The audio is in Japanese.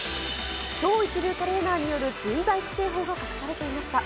超一流トレーナーによる人材育成法が隠されていました。